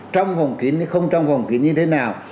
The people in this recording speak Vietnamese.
trong vòng kín hay không trong vòng kín như thế nào